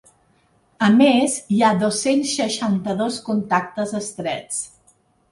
A més, hi ha dos-cents seixanta-dos contactes estrets.